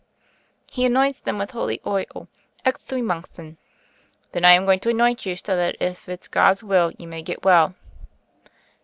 "He anoints them with oil — Ecthreme Unc tion." "Then, I am going to anoint you, so that, if it's God's will, you may get well."